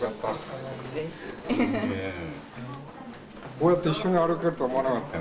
こうやって一緒に歩けるとは思わなかったよ。